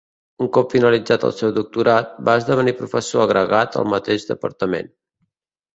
Un cop finalitzat el seu doctorat, va esdevenir professor agregat al mateix departament.